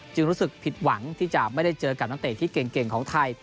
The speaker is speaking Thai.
รู้สึกผิดหวังที่จะไม่ได้เจอกับนักเตะที่เก่งของไทย